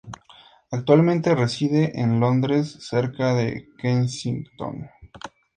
Actualmente, reside en Londres, cerca de Kensington.